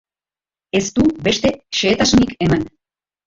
Ez du beste xehetasunik eman.